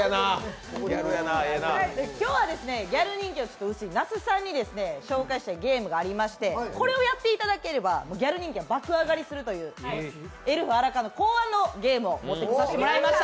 今日はギャル人気の薄い那須さんに紹介したいゲームがありまして、これをやっていただければ、ギャル人気が爆上がりするという、エルフ荒川考案のゲームを持ってきさせていただきました。